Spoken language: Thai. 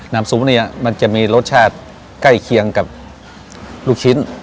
ซุปเนี่ยมันจะมีรสชาติใกล้เคียงกับลูกชิ้น